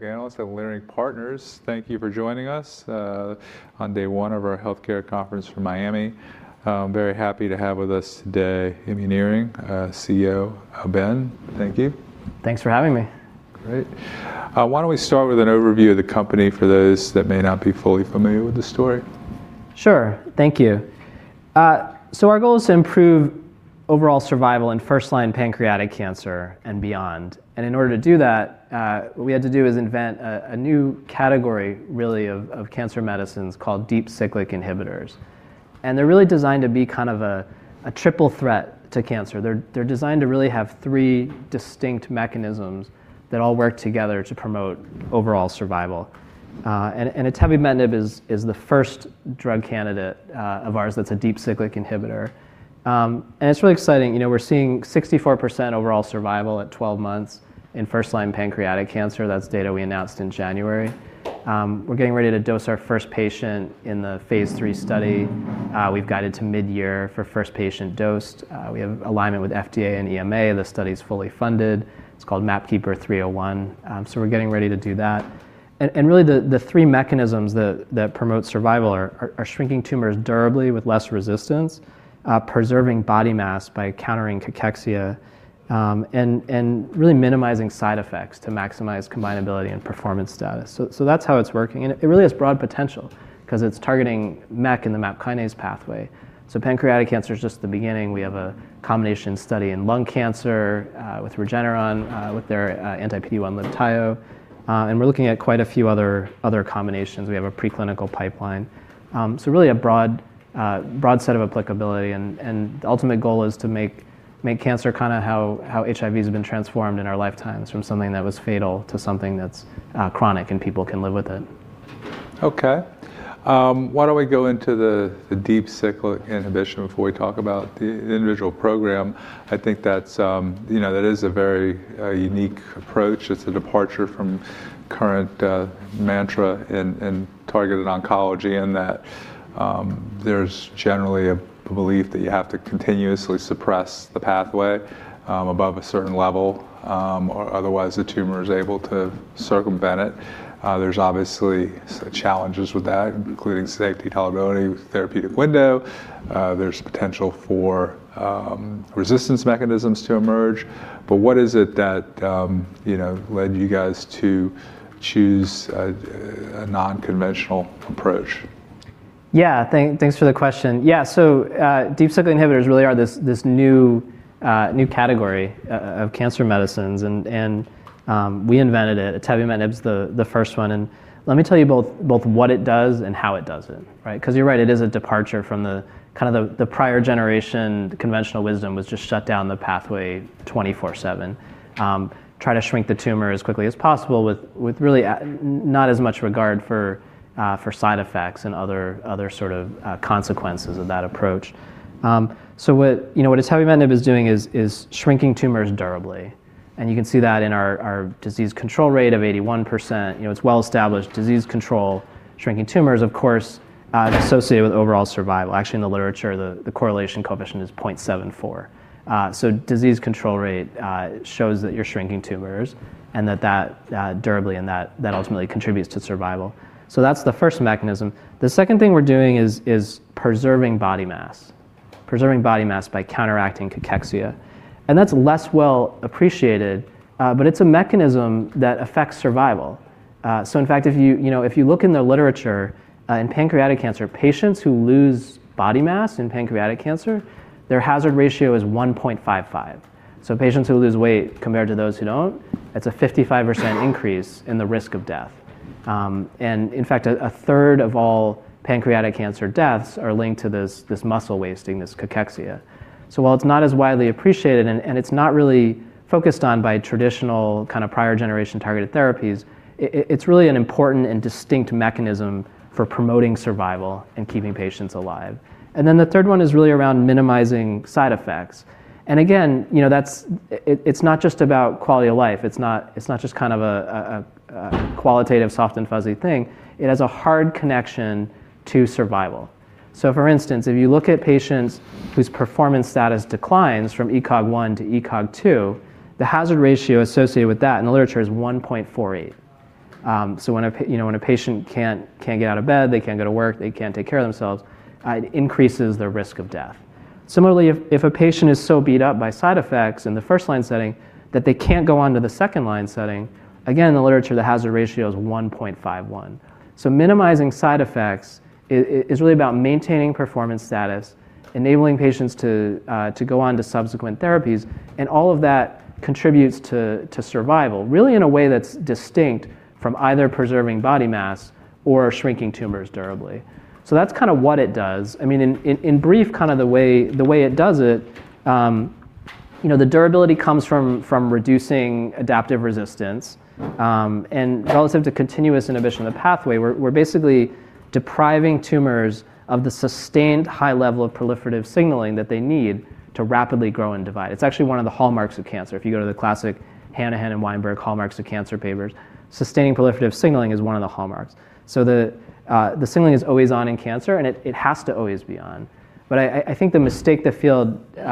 Like analysts at Leerink Partners. Thank you for joining us on day one of our healthcare conference from Miami. Very happy to have with us today, Immuneering, CEO Ben. Thank you. Thanks for having me. Great. Why don't we start with an overview of the company for those that may not be fully familiar with the story? Sure. Thank you. Our goal is to improve overall survival in First-Line pancreatic cancer and beyond. In order to do that, what we had to do is invent a new category really of cancer medicines called Deep Cyclic Inhibitors. They're really designed to be kind of a triple threat to cancer. They're designed to really have 3 distinct mechanisms that all work together to promote overall survival. Atebimetinib is the first drug candidate of ours that's a Deep Cyclic Inhibitor. It's really exciting. You know, we're seeing 64% overall survival at 12 months in First-Line pancreatic cancer. That's data we announced in January. We're getting ready to dose our first patient in the phase III study. We've guided to Mid-Year for first patient dosed. We have alignment with FDA and EMA. The study is fully funded. It is called MAPKeeper 301. We are getting ready to do that. Really the 3 mechanisms that promote survival are shrinking tumors durably with less resistance, preserving body mass by countering cachexia, and really minimizing side effects to maximize combinability and performance status. That is how it is working. It really has broad potential because it is targeting MEK in the MAP kinase pathway. Pancreatic cancer is just the beginning. We have a combination study in lung cancer with Regeneron, with their Anti-PD-1 Libtayo. We are looking at quite a few other combinations. We have a preclinical pipeline. Really a broad set of applicability and the ultimate goal is to make cancer kinda how HIV has been transformed in our lifetimes from something that was fatal to something that's, chronic and people can live with it. Okay. why don't we go into the Deep Cyclic Inhibition before we talk about the individual program? I think that's, you know, that is a very unique approach. It's a departure from current mantra in targeted oncology and that, there's generally a belief that you have to continuously suppress the pathway, above a certain level, or otherwise the tumor is able to circumvent it. There's obviously some challenges with that, including safety tolerability with therapeutic window. There's potential for resistance mechanisms to emerge. What is it that, you know, led you guys to choose a non-conventional approach? Thanks for the question. Deep Cyclic Inhibitors really are this new category of cancer medicines and we invented it. Atebimetinib's the first one, and let me tell you both what it does and how it does it, right? You're right, it is a departure from the kind of the prior generation. The conventional wisdom was just shut down the pathway 24/7. Try to shrink the tumor as quickly as possible with really not as much regard for side effects and other sort of consequences of that approach. What, you know, what atebimetinib is doing is shrinking tumors durably. You can see that in our disease control rate of 81%. You know, it's well established. Disease control, shrinking tumors, of course, associated with overall survival. Actually, in the literature, the correlation coefficient is 0.74. Disease control rate shows that you're shrinking tumors and that durably, and that ultimately contributes to survival. That's the first mechanism. The second thing we're doing is preserving body mass. Preserving body mass by counteracting cachexia. That's less well appreciated, but it's a mechanism that affects survival. In fact, if you know, if you look in the literature, in pancreatic cancer, patients who lose body mass in pancreatic cancer, their hazard ratio is 1.55. Patients who lose weight compared to those who don't, that's a 55% increase in the risk of death. In fact, a 1/3 of all pancreatic cancer deaths are linked to this muscle wasting, this cachexia. While it's not as widely appreciated and it's not really focused on by traditional kind of prior generation targeted therapies, it's really an important and distinct mechanism for promoting survival and keeping patients alive. The 1/3 one is really around minimizing side effects. Again, you know, that's. It's not just about quality of life. It's not, it's not just kind of a qualitative soft and fuzzy thing. It has a hard connection to survival. For instance, if you look at patients whose performance status declines from ECOG one to ECOG 2, the hazard ratio associated with that in the literature is 1.48. When a patient, you know, when a patient can't get out of bed, they can't go to work, they can't take care of themselves, it increases their risk of death. Similarly, if a patient is so beat up by side effects in the First-Line setting that they can't go on to the second-line setting, again, the literature, the hazard ratio is 1.51. Minimizing side effects is really about maintaining performance status, enabling patients to go on to subsequent therapies, and all of that contributes to survival, really in a way that's distinct from either preserving body mass or shrinking tumors durably. That's kinda what it does. I mean, in brief, kinda the way it does it, you know, the durability comes from reducing adaptive resistance. Relative to continuous inhibition of pathway, we're basically depriving tumors of the sustained high level of proliferative signaling that they need to rapidly grow and divide. It's actually one of the hallmarks of cancer. If you go to the classic Hanahan and Weinberg hallmarks of cancer papers, sustaining proliferative signaling is one of the hallmarks. The signaling is always on in cancer, and it has to always be on. I think the mistake the field, you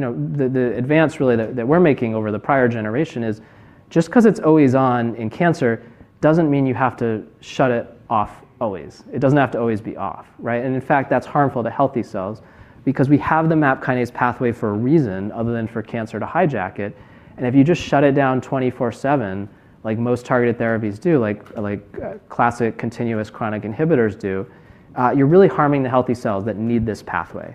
know, the advance really we're making over the prior generation is. Just because it's always on in cancer doesn't mean you have to shut it off always. It doesn't have to always be off, right? In fact, that's harmful to healthy cells because we have the MAP kinase pathway for a reason other than for cancer to hijack it, and if you just shut it down 24/7 like most targeted therapies do, like classic continuous chronic inhibitors do, you're really harming the healthy cells that need this pathway.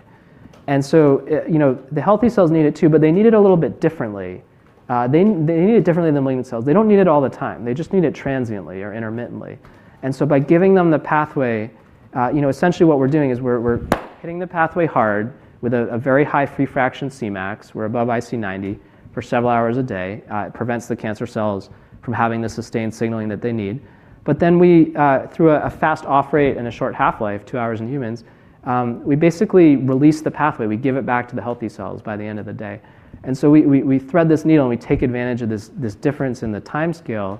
You know, the healthy cells need it too, but they need it a little bit differently. They, they need it differently than malignant cells. They don't need it all the time. They just need it transiently or intermittently. By giving them the pathway, you know, essentially what we're doing is we're hitting the pathway hard with a very high free fraction Cmax, we're above IC90 for several hours a day, it prevents the cancer cells from having the sustained signaling that they need. We, through a fast off rate and a short half-life, 2 hours in humans, we basically release the pathway. We give it back to the healthy cells by the end of the day. We thread this needle, and we take advantage of this difference in the timescale,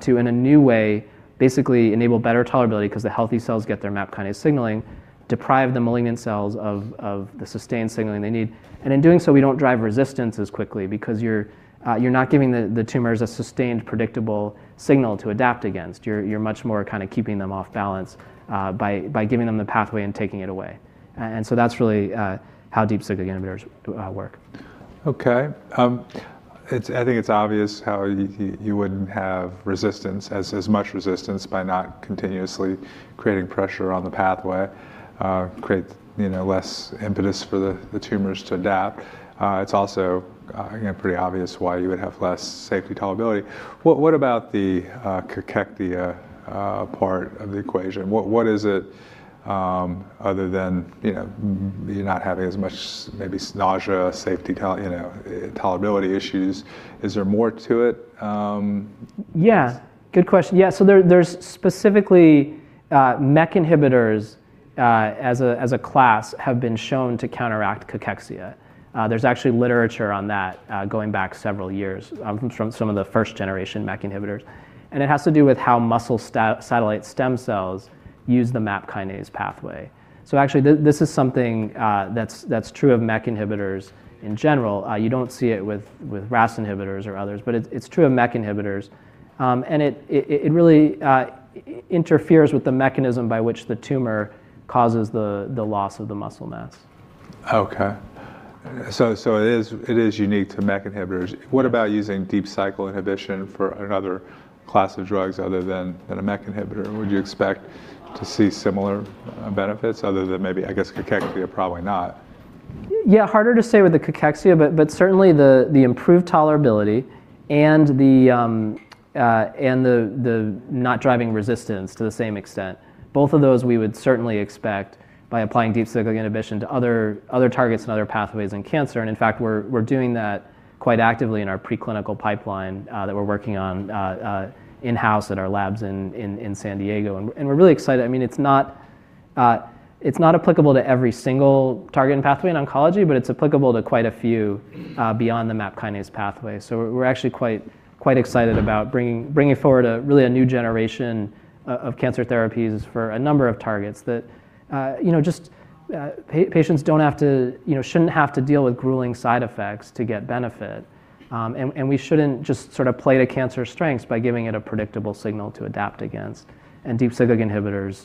to in a new way, basically enable better tolerability 'cause the healthy cells get their MAP kinase signaling, deprive the malignant cells of the sustained signaling they need. In doing so, we don't drive resistance as quickly because you're not giving the tumors a sustained, predictable signal to adapt against. You're much more kind of keeping them off balance by giving them the pathway and taking it away. That's really how Deep Cyclic Inhibitors work. Okay. It's, I think it's obvious how you wouldn't have resistance, as much resistance by not continuously creating pressure on the pathway, create, you know, less impetus for the tumors to adapt. It's also, you know, pretty obvious why you would have less safety tolerability. What about the cachexia part of the equation? What is it, other than, you know, you not having as much maybe nausea, safety, you know, tolerability issues? Is there more to it? Good question. There's specifically MEK inhibitors, as a class, have been shown to counteract cachexia. There's actually literature on that going back several years from some of the first generation MEK inhibitors, and it has to do with how muscle satellite cells use the MAP kinase pathway. Actually, this is something that's true of MEK inhibitors in general. You don't see it with RAS inhibitors or others, but it's true of MEK inhibitors. It really interferes with the mechanism by which the tumor causes the loss of the muscle mass. It is unique to MEK inhibitors. What about using Deep Cyclic Inhibition for another class of drugs other than a MEK inhibitor? Would you expect to see similar benefits other than maybe, I guess, cachexia, probably not. Yeah, harder to say with the cachexia, but certainly the improved tolerability and the not driving resistance to the same extent. Both of those we would certainly expect by applying Deep Cyclic Inhibition to other targets and other pathways in cancer. In fact, we're doing that quite actively in our preclinical pipeline that we're working on in-house at our labs in San Diego. We're really excited. I mean, it's not applicable to every single target and pathway in oncology, but it's applicable to quite a few beyond the MAP kinase pathway. We're actually quite excited about bringing forward a really a new generation of cancer therapies for a number of targets that, you know, just patients don't have to, you know, shouldn't have to deal with grueling side effects to get benefit. We shouldn't just sort of play to cancer's strengths by giving it a predictable signal to adapt against. Deep Cyclic Inhibitors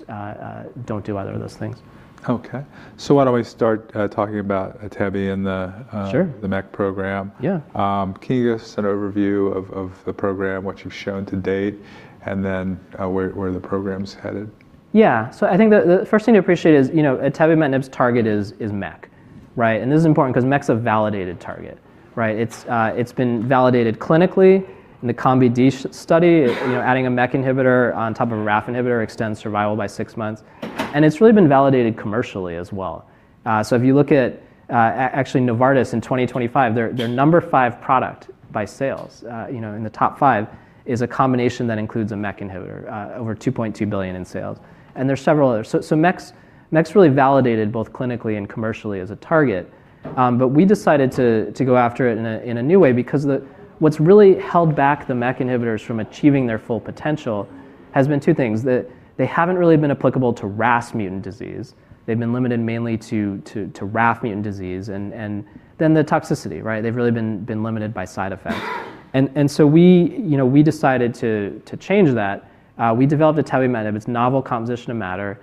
don't do either of those things. Why don't we start talking about atebimetinib and the. Sure... the MEK program. Yeah. Can you give us an overview of the program, what you've shown to date, and then, where the program's headed? I think the first thing to appreciate is, you know, atebimetinib's target is MEK, right? This is important because MEK's a validated target, right? It's been validated clinically in the COMBI-D study. You know, adding a MEK inhibitor on top of a RAF inhibitor extends survival by six months. It's really been validated commercially as well. If you look at Novartis in 2025, their number 5 product by sales, you know, in the top 5, is a combination that includes a MEK inhibitor, over $2.2 billion in sales, and there's several others. MEK's really validated both clinically and commercially as a target. We decided to go after it in a new way because what's really held back the MEK inhibitors from achieving their full potential has been 2 things. That they haven't really been applicable to RAS mutant disease. They've been limited mainly to RAF mutant disease and then the toxicity, right. They've really been limited by side effects. So we, you know, we decided to change that. We developed atebimetinib. It's novel composition of matter.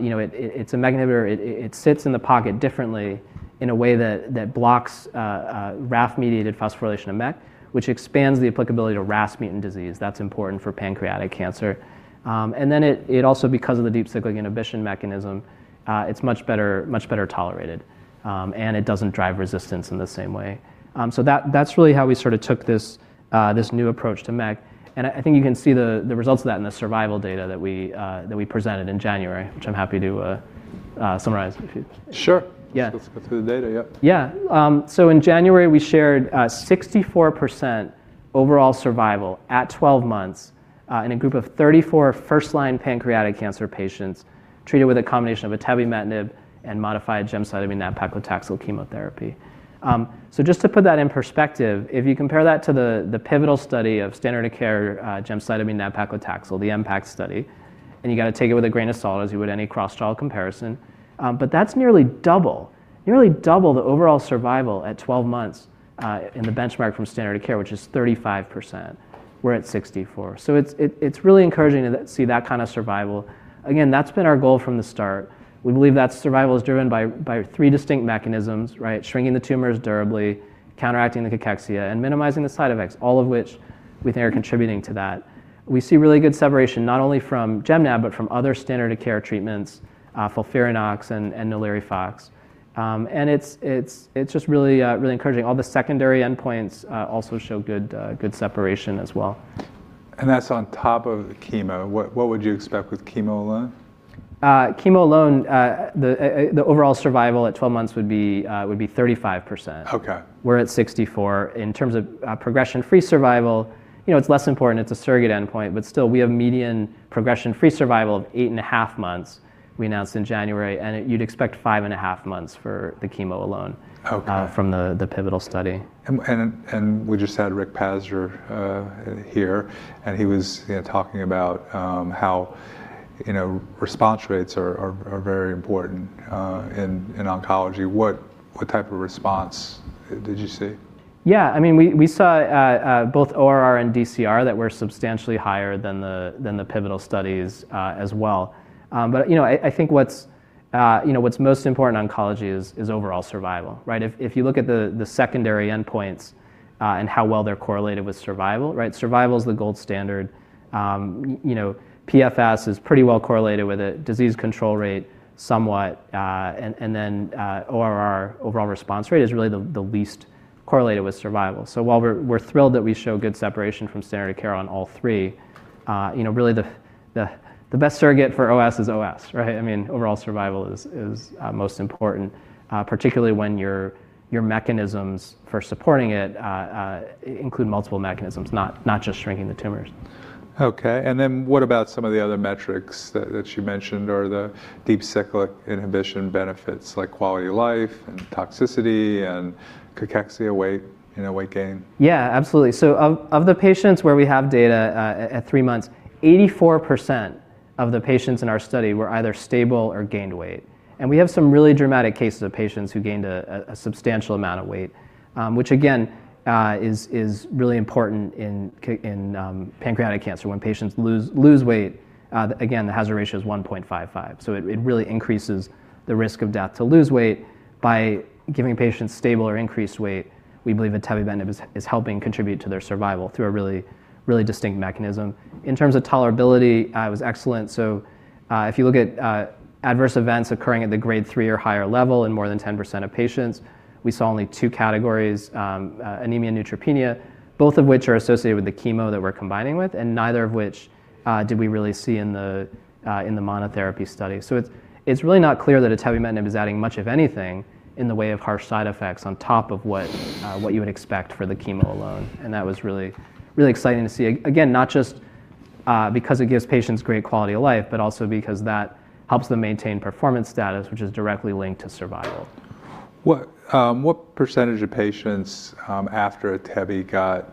You know, it's a MEK inhibitor. It sits in the pocket differently in a way that blocks RAF-mediated phosphorylation of MEK, which expands the applicability to RAS mutant disease. That's important for pancreatic cancer. Then it also because of the Deep Cyclic Inhibition mechanism, it's much better tolerated, and it doesn't drive resistance in the same way. That's really how we sort of took this new approach to MEK, and I think you can see the results of that in the survival data that we presented in January, which I'm happy to summarize if you... Sure. Yeah. Let's go through the data, yeah. In January, we shared 64% overall survival at 12 months in a group of 34 First-Line pancreatic cancer patients treated with a combination of atebimetinib and modified gemcitabine Nab-Paclitaxel chemotherapy. Just to put that in perspective, if you compare that to the pivotal study of standard of care, gemcitabine Nab-Paclitaxel, the MPACT trial, and you got to take it with a grain of salt as you would any cross trial comparison, but that's nearly double. You really double the overall survival at 12 months in the benchmark from standard of care, which is 35%. We're at 64%. It's really encouraging to see that kind of survival. Again, that's been our goal from the start. We believe that survival is driven by 3 distinct mechanisms, right. Shrinking the tumors durably, counteracting the cachexia, and minimizing the side effects, all of which we think are contributing to that. We see really good separation, not only from Gem-Nab, but from other standard of care treatments, FOLFIRINOX and NALIRIFOX. It's just really encouraging. All the secondary endpoints also show good separation as well. That's on top of the chemo. What would you expect with chemo alone? Chemo alone, the overall survival at 12 months would be 35%. Okay. We're at 64. In terms of Progression-Free survival, you know, it's less important. It's a surrogate endpoint, but still, we have median Progression-Free survival of eight and a half months we announced in January. You'd expect 5 and a half months for the chemo alone. Okay... from the pivotal study. We just had Richard Pazdur, here, and he was, you know, talking about, how, you know, response rates are very important, in oncology. What type of response, did you see? Yeah, I mean, we saw both ORR and DCR that were substantially higher than the pivotal studies as well. You know, I think what's, you know, what's most important in oncology is overall survival, right? If you look at the secondary endpoints and how well they're correlated with survival, right? Survival is the gold standard. You know, PFS is pretty well correlated with a disease control rate somewhat, and then ORR, overall response rate, is really the least correlated with survival. While we're thrilled that we show good separation from standard care on all 3, you know, really the best surrogate for OS is OS, right? I mean, overall survival is most important, particularly when your mechanisms for supporting it include multiple mechanisms not just shrinking the tumors. Okay. What about some of the other metrics that you mentioned or the Deep Cyclic Inhibition benefits like quality of life and toxicity and cachexia weight, you know, weight gain? Absolutely. Of the patients where we have data at 3 months, 84% of the patients in our study were either stable or gained weight. We have some really dramatic cases of patients who gained a substantial amount of weight, which again, is really important in pancreatic cancer when patients lose weight. The hazard ratio is 1.55, so it really increases the risk of death to lose weight by giving patients stable or increased weight. We believe atebimetinib is helping contribute to their survival through a really, really distinct mechanism. In terms of tolerability, was excellent. If you look at adverse events occurring at the grade 3 or higher level in more than 10% of patients, we saw only 2 categories: anemia and neutropenia, both of which are associated with the chemo that we're combining with, and neither of which did we really see in the monotherapy study. It's really not clear that atebimetinib is adding much of anything in the way of harsh side effects on top of what you would expect for the chemo alone, and that was really exciting to see. Again, not just because it gives patients great quality of life, but also because that helps them maintain performance status, which is directly linked to survival. What percentage of patients after atezo got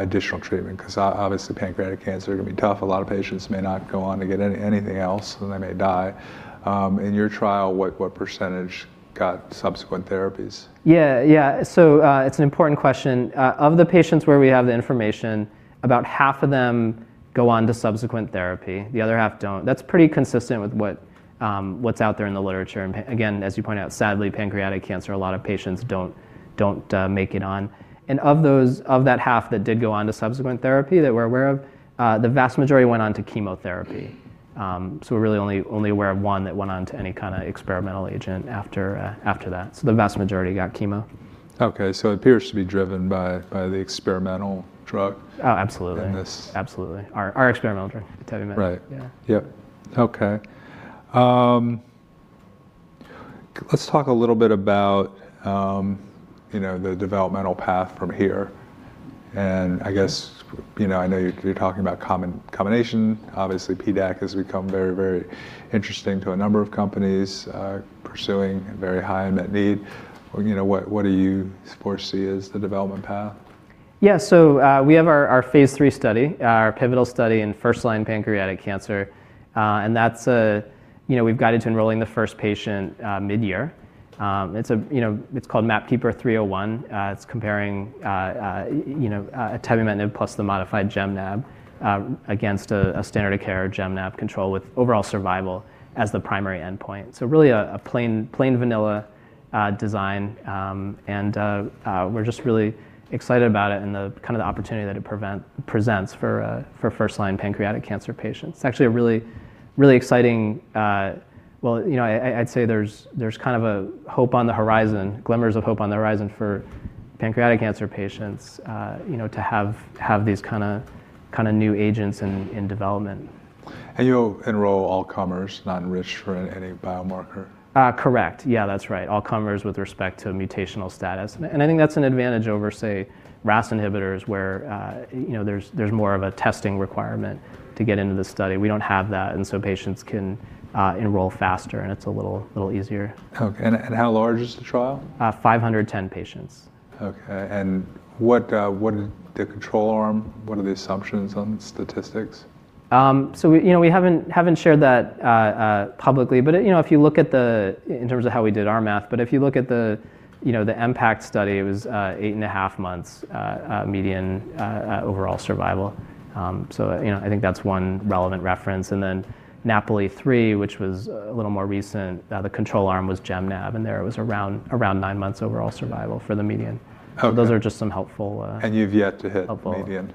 additional treatment? Cause obviously, pancreatic cancer can be tough. A lot of patients may not go on to get anything else, and they may die. In your trial, what percentage got subsequent therapies? Yeah. Yeah. It's an important question. Of the patients where we have the information, about half of them go on to subsequent therapy. The other half don't. That's pretty consistent with what's out there in the literature. Again, as you pointed out, sadly, pancreatic cancer, a lot of patients don't make it on. Of that half that did go on to subsequent therapy that we're aware of, the vast majority went on to chemotherapy. We're really only aware of one that went on to any kind of experimental agent after that. The vast majority got chemo. It appears to be driven by the experimental drug. Oh, absolutely.... in this. Absolutely. Our experimental drug, atebimetinib. Right. Yeah. Yep. Okay. Let's talk a little bit about, you know, the developmental path from here. I guess, you know, I know you're talking about combination. Obviously, PDAC has become very, very interesting to a number of companies, pursuing a very high met need. You know, what do you foresee as the development path? Yeah. We have our phase 3 study, our pivotal study in First-Line pancreatic cancer, we've guided to enrolling the first patient midyear. It's called MAPKeeper 301. It's comparing atebimetinib plus the modified GemNab against a standard of care GemNab control with overall survival as the primary endpoint. Really, a plain vanilla design, we're just really excited about it and the kind of the opportunity that it presents for First-Line pancreatic cancer patients. It's actually a really exciting. Well, you know, I'd say there's kind of a hope on the horizon, glimmers of hope on the horizon for pancreatic cancer patients, you know, to have these kinda new agents in development. You'll enroll all comers, not enrich for any biomarker? Correct. Yeah, that's right, all comers with respect to mutational status. I think that's an advantage over, say, RAS inhibitors where, you know, there's more of a testing requirement to get into the study. We don't have that, so patients can enroll faster, and it's a little easier. Okay. How large is the trial? 510 patients. Okay. What is the control arm? What are the assumptions on statistics? We, you know, we haven't shared that publicly. But in terms of how we did our math, but if you look at the, you know, the MPACT trial, it was 8.5 months median overall survival. You know, I think that's one relevant reference. NAPOLI-3, which was a little more recent, the control arm was GemNab, and there it was around 9 months overall survival for the median. Okay. Those are just some helpful. you've yet to hit-. helpful... median?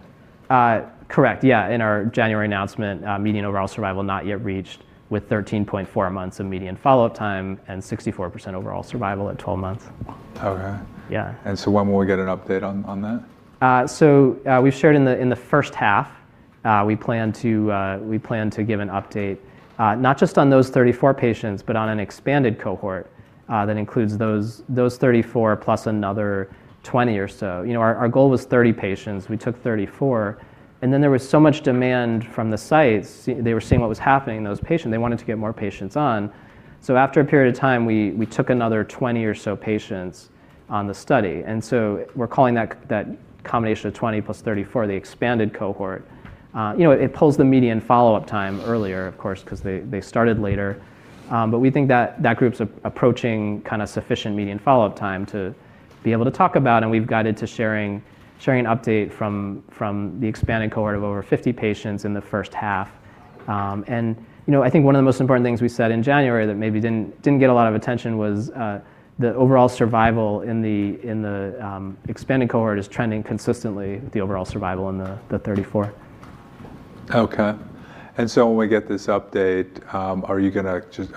Correct. In our January announcement, median overall survival not yet reached with 13.4 months of median follow-up time and 64% overall survival at 12 months. Okay. Yeah. When will we get an update on that? We've shared in the first half, we plan to give an update not just on those 34 patients, but on an expanded cohort that includes those 34 plus another 20 or so. You know, our goal was 30 patients. We took 34. There was so much demand from the sites. They were seeing what was happening in those patients. They wanted to get more patients on. After a period of time, we took another 20 or so patients on the study. We're calling that combination of 20 plus 34 the expanded cohort. You know, it pulls the median follow-up time earlier, of course, because they started later. We think that that group's approaching kind of sufficient median follow-up time to be able to talk about, and we've guided to sharing an update from the expanded cohort of over 50 patients in the first half. You know, I think one of the most important things we said in January that maybe didn't get a lot of attention was, the overall survival in the expanded cohort is trending consistently with the overall survival in the 34. Okay. When we get this update, are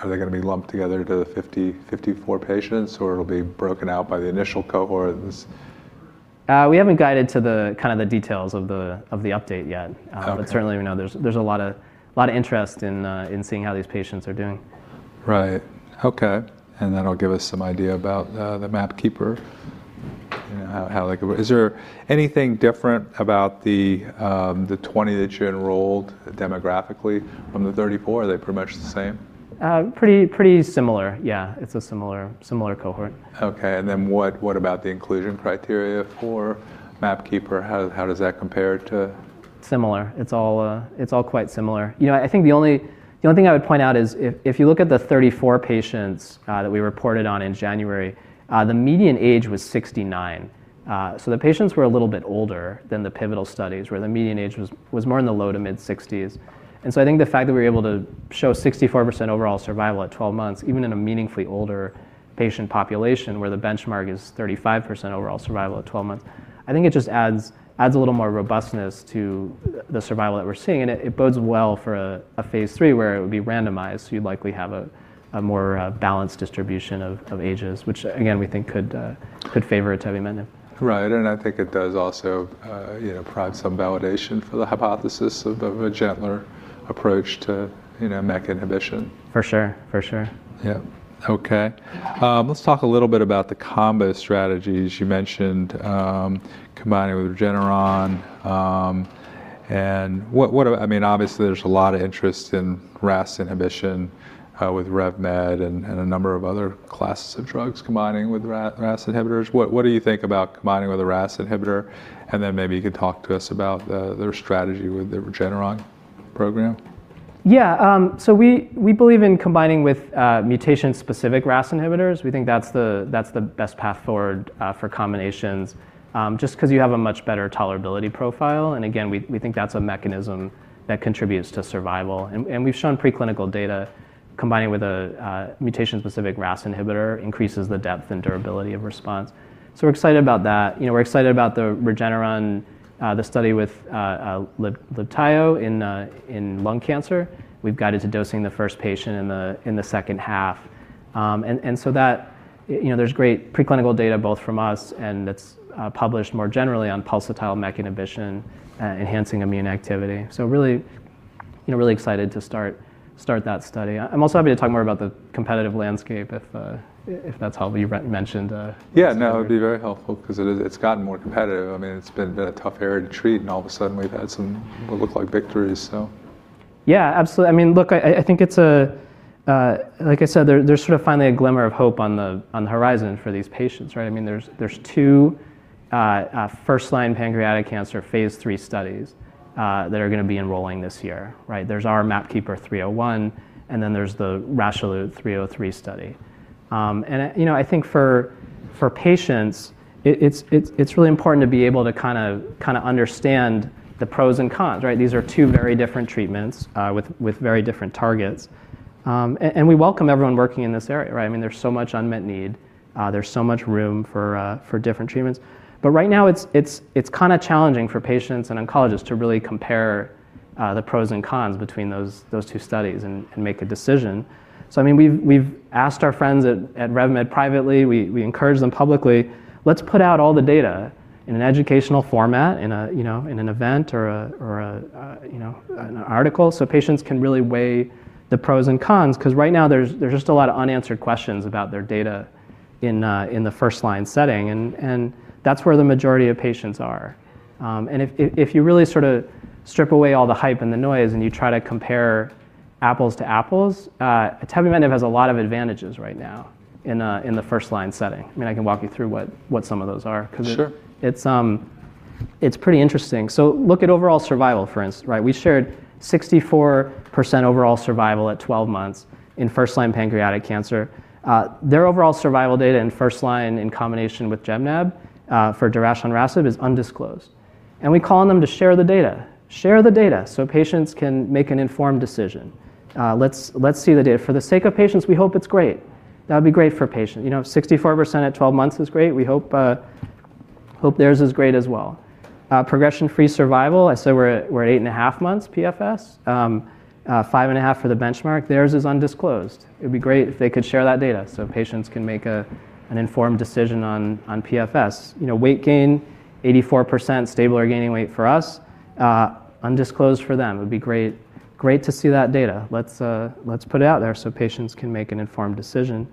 they gonna be lumped together to the 50, 54 patients, or it'll be broken out by the initial cohorts? We haven't guided to the kind of the details of the, of the update yet. Okay. Certainly we know there's a lot of interest in seeing how these patients are doing. Right. Okay. Then it'll give us some idea about the MAPKeeper, you know, how they... Is there anything different about the 20 that you enrolled demographically from the 34? Are they pretty much the same? Pretty similar. Yeah. It's a similar cohort. Okay. What, what about the inclusion criteria for MAPKeeper? How, how does that compare to...? Similar. It's all quite similar. You know, I think the only thing I would point out is if you look at the 34 patients that we reported on in January, the median age was 69. The patients were a little bit older than the pivotal studies where the median age was more in the low to mid 60s. I think the fact that we're able to show 64% overall survival at 12 months, even in a meaningfully older patient population where the benchmark is 35% overall survival at 12 months, I think it just adds a little more robustness to the survival that we're seeing and it bodes well for a phase 3 where it would be randomized. You'd likely have a more balanced distribution of ages, which again, we think could favor atebimetinib. Right. I think it does also, you know, provide some validation for the hypothesis of a gentler approach to, you know, MEK inhibition. For sure. For sure. Yeah. Okay. Let's talk a little bit about the combo strategies. You mentioned, combining with Regeneron, I mean, obviously there's a lot of interest in RAS inhibition, with Revolution Medicines and a number of other classes of drugs combining with RAS inhibitors. What do you think about combining with a RAS inhibitor? Then maybe you could talk to us about the strategy with the Regeneron program. Yeah. So we believe in combining with mutation-specific RAS inhibitors. We think that's the best path forward for combinations just because you have a much better tolerability profile and again, we think that's a mechanism that contributes to survival. We've shown preclinical data combining with a mutation-specific RAS inhibitor increases the depth and durability of response. We're excited about that. You know, we're excited about the Regeneron the study with Libtayo in lung cancer. We've guided to dosing the first patient in the second half. That... You know, there's great preclinical data both from us and that's published more generally on pulsatile MEK inhibition enhancing immune activity. Really, you know, really excited to start that study. I'm also happy to talk more about the competitive landscape if that's helpful. You mentioned, Yeah, no, it'd be very helpful because it's gotten more competitive. I mean, it's been a tough area to treat, and all of a sudden we've had some what look like victories. So... Yeah, absolutely. I mean, look, I think it's Like I said, there's sort of finally a glimmer of hope on the horizon for these patients, right? I mean, there's 2 First-Line pancreatic cancer phase 3 studies that are gonna be enrolling this year, right? There's our MAPKeeper 301, and then there's the RMC-6236-003 study. You know, I think for patients, it's really important to be able to kind of understand the pros and cons, right? These are 2 very different treatments, with very different targets. We welcome everyone working in this area, right? I mean, there's so much unmet need. There's so much room for different treatments. Right now it's kinda challenging for patients and oncologists to really compare the pros and cons between those 2 studies and make a decision. I mean, we've asked our friends at RevMed privately, we encourage them publicly, let's put out all the data in an educational format, in a, you know, in an event or a, you know, in an article so patients can really weigh the pros and cons. Right now there's just a lot of unanswered questions about their data in the first line setting and that's where the majority of patients are. If you really sorta strip away all the hype and the noise and you try to compare apples to apples, atebimetinib has a lot of advantages right now in the first line setting. I mean, I can walk you through what some of those are. Sure It's pretty interesting. Look at overall survival, for instance, right? We shared 64% overall survival at 12 months in First-Line pancreatic cancer. Their overall survival data in first line in combination with GemNab for divarasib is undisclosed and we call on them to share the data. Share the data so patients can make an informed decision. Let's see the data. For the sake of patients, we hope it's great. That'd be great for patients. You know, 64% at 12 months is great. We hope theirs is great as well. Progression-free survival, I said we're at 8.5 months PFS. 5.5 for the benchmark. Theirs is undisclosed. It'd be great if they could share that data so patients can make an informed decision on PFS. You know, weight gain, 84% stable or gaining weight for us, undisclosed for them. It'd be great to see that data. Let's put it out there so patients can make an informed decision.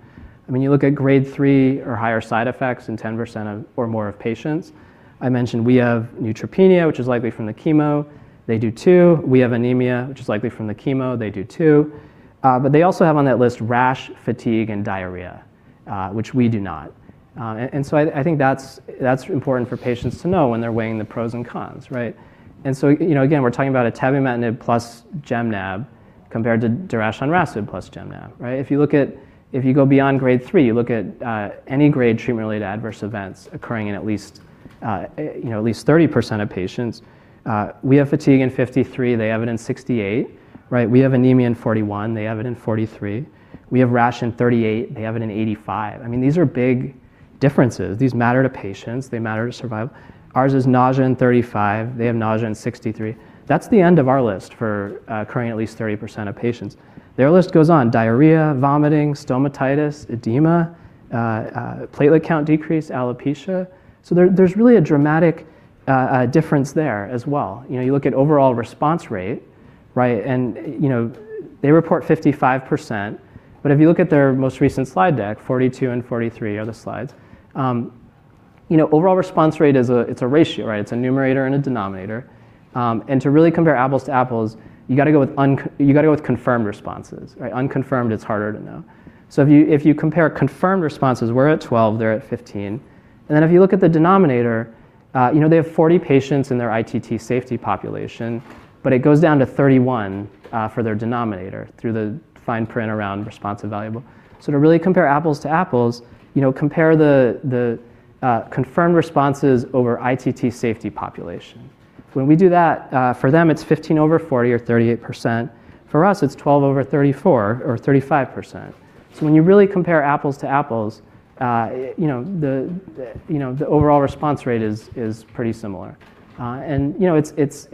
I mean, you look at grade 3 or higher side effects in 10% or more of patients. I mentioned we have neutropenia, which is likely from the chemo. They do too. We have anemia, which is likely from the chemo. They do too. They also have on that list rash, fatigue, and diarrhea, which we do not. I think that's important for patients to know when they're weighing the pros and cons, right? You know, again, we're talking about atebimetinib plus Gemnab compared to divarasib plus Gemnab, right? If you go beyond grade 3, you look at, any grade treatment-related adverse events occurring in at least, you know, at least 30% of patients, we have fatigue in 53. They have it in 68, right? We have anemia in 41. They have it in 43. We have rash in 38. They have it in 85. I mean, these are big differences. These matter to patients. They matter to survival. Ours is nausea in 35. They have nausea in 63. That's the end of our list for occurring at least 30% of patients. Their list goes on. Diarrhea, vomiting, stomatitis, edema, platelet count decrease, alopecia. There's really a dramatic difference there as well. You know, you look at overall response rate, right? You know, they report 55%, but if you look at their most recent slide deck, 42 and 43 are the slides. You know, overall response rate is a, it's a ratio, right? It's a numerator and a denominator. To really compare apples to apples, you gotta go with confirmed responses, right? Unconfirmed, it's harder to know. If you compare confirmed responses, we're at 12, they're at 15. If you look at the denominator, you know, they have 40 patients in their ITT safety population, but it goes down to 31 for their denominator through the fine print around response evaluable. To really compare apples to apples, you know, compare the confirmed responses over ITT safety population. When we do that for them, it's 15 over 40 or 38%. For us, it's 12 over 34 or 35%. When you really compare apples to apples, you know, the overall response rate is pretty similar. You know, it's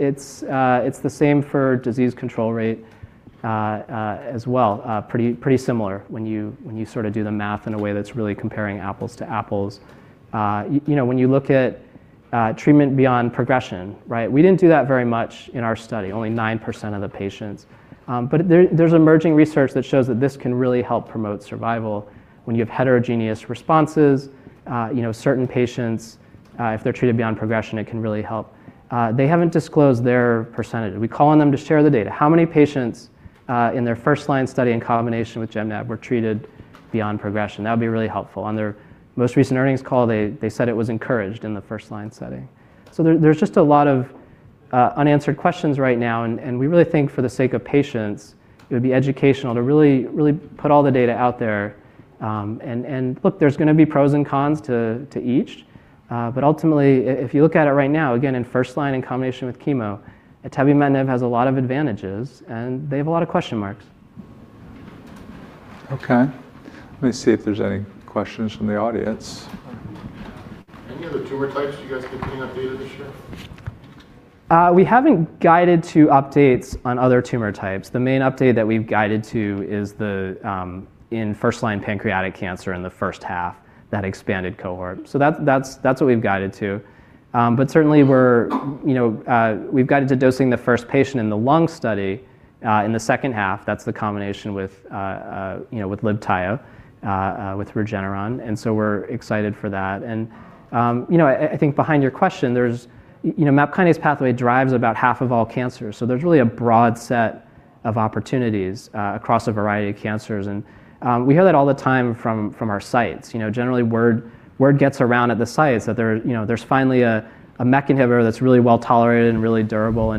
the same for disease control rate as well. Pretty similar when you sorta do the math in a way that's really comparing apples to apples. You know, when you look at treatment beyond progression, right? We didn't do that very much in our study, only 9% of the patients. There's emerging research that shows that this can really help promote survival when you have heterogeneous responses. You know, certain patients, if they're treated beyond progression, it can really help. They haven't disclosed their percentage. We call on them to share the data. How many patients in their First-Line study in combination with GemNab were treated beyond progression? That would be really helpful. On their most recent earnings call, they said it was encouraged in the First-Line setting. There's just a lot of unanswered questions right now and we really think for the sake of patients, it would be educational to really put all the data out there. Look, there's gonna be pros and cons to each, but ultimately if you look at it right now, again, in First-Line in combination with chemo, atebimetinib has a lot of advantages and they have a lot of question marks. Okay. Let me see if there's any questions from the audience. Any other tumor types you guys can update us to share? We haven't guided to updates on other tumor types. The main update that we've guided to is the in First-Line pancreatic cancer in the first half, that expanded cohort. That's what we've guided to. Certainly we're, you know, we've guided to dosing the first patient in the lung study in the second half. That's the combination with, you know, with Libtayo with Regeneron. We're excited for that. You know, I think behind your question there's, you know, MAP kinase pathway drives about half of all cancers. There's really a broad set of opportunities across a variety of cancers. We hear that all the time from our sites. You know, generally word gets around at the sites that there, you know, there's finally a MEK inhibitor that's really well-tolerated and really durable.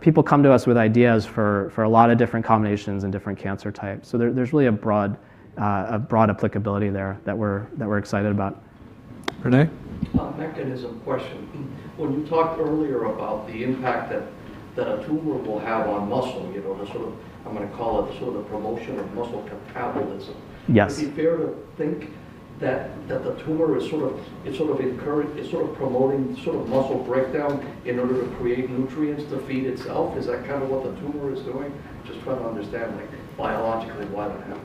People come to us with ideas for a lot of different combinations and different cancer types. There's really a broad applicability there that we're excited about. Rene? A mechanism question. When you talked earlier about the impact that a tumor will have on muscle, you know, the sort of, I'm gonna call it the sort of promotion of muscle catabolism. Yes. Would it be fair to think that the tumor is sort of promoting sort of muscle breakdown in order to create nutrients to feed itself? Is that kind of what the tumor is doing? Just trying to understand like biologically why that happens.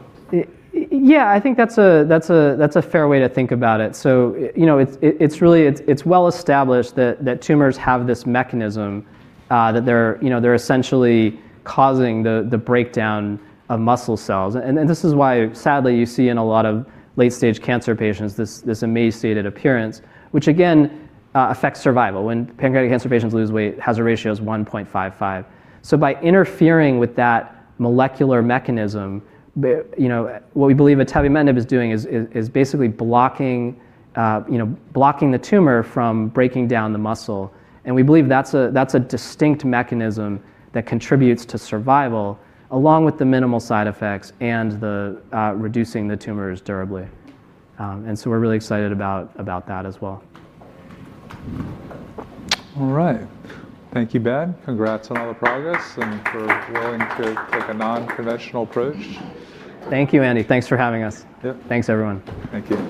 I think that's a fair way to think about it. You know, it's really well established that tumors have this mechanism that they're, you know, they're essentially causing the breakdown of muscle cells. This is why sadly you see in a lot of late stage cancer patients this emaciated appearance, which again affects survival. When pancreatic cancer patients lose weight, hazard ratio is 1.55. By interfering with that molecular mechanism, the... You know, what we believe atebimetinib is doing is basically blocking, you know, blocking the tumor from breaking down the muscle. We believe that's a distinct mechanism that contributes to survival along with the minimal side effects and the reducing the tumors durably. We're really excited about that as well. All right. Thank you, Ben. Congrats on all the progress and for willing to take a non-conventional approach. Thank you, Andy. Thanks for having us. Yep. Thanks, everyone. Thank you.